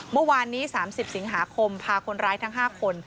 เมื่อวานนี้๓๐สิงหาคมพาคนร้ายทั้ง๕คน